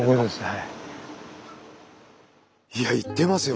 いや行ってますよ。